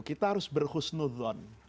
kita harus berhusnudhon